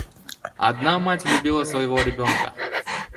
Одна мать любила своего ребенка.